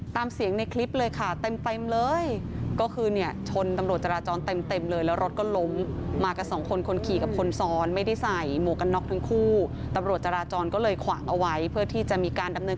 ตามเสียงในคลิปเลยค่ะเต็มเต็มเลยก็คือเนี่ยชนตำรวจจราจรเต็มเลยแล้วรถก็ล้มมากับสองคนคนขี่กับคนซ้อนไม่ได้ใส่หมวกกันน็อกทั้งคู่ตำรวจจราจรก็เลยขวางเอาไว้เพื่อที่จะมีการดำเนิน